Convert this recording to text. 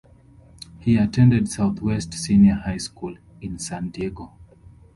He attended Southwest Senior High School in San Diego.